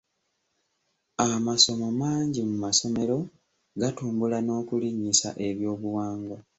Amasomo mangi mu masomero gatumbula n'okulinnyisa ebyobuwangwa.